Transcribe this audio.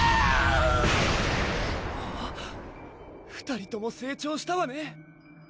２人とも成長したわね